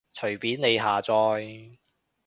隨便你下載